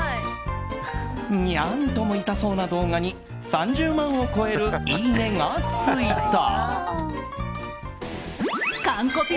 ニャンとも痛そうな動画に３０万を超えるいいねがついた。